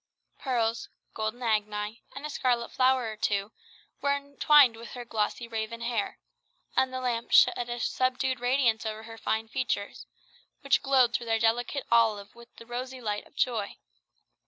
Pearls, golden Agni, and a scarlet flower or two, were twined with her glossy raven hair; and the lamp shed a subdued radiance over her fine features, which glowed through their delicate olive with the rosy light of joy.